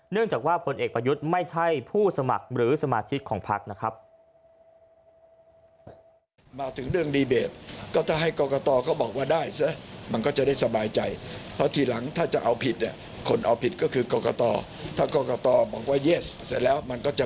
จากว่าผลเอกประยุทธ์ไม่ใช่ผู้สมัครหรือสมาชิกของพักนะครับ